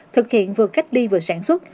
thực hiện vừa cách đi vừa sản xuất